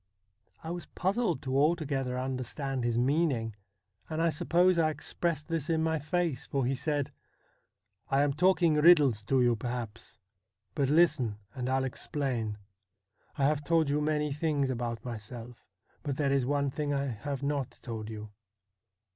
I was puzzled to altogether understand his meaning, and I suppose I expressed this in my face, for he said :' I am talking riddles to you, perhaps ; but listen, and I'll explain. I have told you many things about myself, but there is one thing I have not told you.